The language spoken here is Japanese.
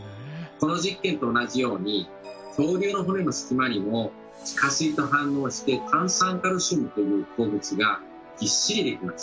この実験と同じように恐竜の骨の隙間にも地下水と反応して炭酸カルシウムという鉱物がぎっしりできます。